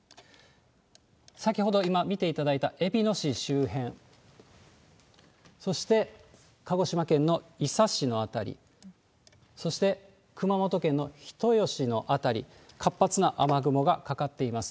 先ほど今、見ていただいたえびの市周辺、そして鹿児島県の伊佐市の辺り、そして、熊本県の人吉の辺り、活発な雨雲がかかっています。